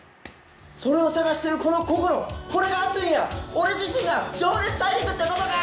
それを探してるこの心これが熱いんや俺自身が情熱大陸ってことか！